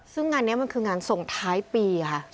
ซึ่งงานเนี่ยมันคืองานทรงท้ายปีฮะใช่